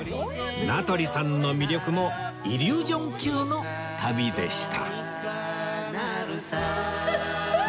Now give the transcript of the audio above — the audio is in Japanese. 名取さんの魅力もイリュージョン級の旅でした